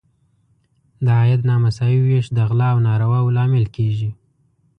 د عاید نامساوي ویش د غلا او نارواوو لامل کیږي.